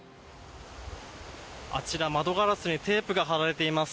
あちら、窓ガラスにテープが張られています。